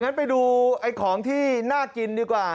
งั้นไปดูไอ้ของที่น่ากินดีกว่า